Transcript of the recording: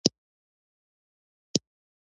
ایا ستاسو بیرغ به رپانده نه وي؟